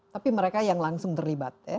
tapi mereka yang langsung terlibat ya